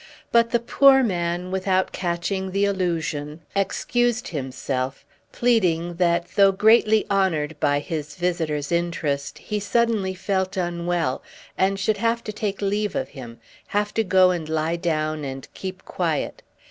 But the poor man, without catching the allusion, excused himself, pleading that, though greatly honoured by his visitor's interest, he suddenly felt unwell and should have to take leave of him—have to go and lie down and keep quiet.